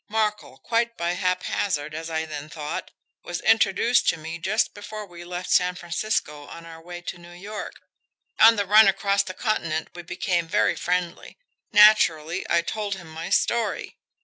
Markel, quite by haphazard as I then thought, was introduced to me just before we left San Francisco on our way to New York. On the run across the continent we became very friendly. Naturally, I told him my story.